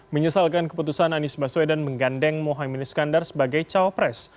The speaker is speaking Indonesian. menyesalkan keputusan anies baswedan menggandeng mohaimin iskandar sebagai cawapres